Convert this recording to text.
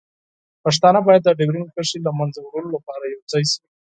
پښتانه باید د ډیورنډ کرښې له منځه وړلو لپاره یوځای شي.